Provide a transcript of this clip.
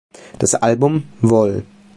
Das Album "Vol.